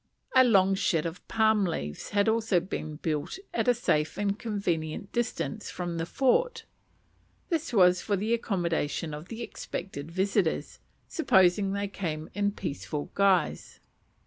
A long shed of palm leaves had been also built at a safe and convenient distance from the fort. This was for the accommodation of the expected visitors, supposing they came in peaceful guise.